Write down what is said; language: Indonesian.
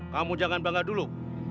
kamu jangan bangga dulu